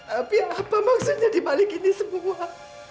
tapi apa maksudnya dibalik ini semua